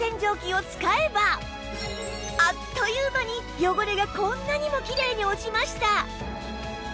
あっという間に汚れがこんなにもきれいに落ちました